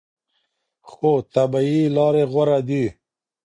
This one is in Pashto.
خو طبیعي لارې غوره دي.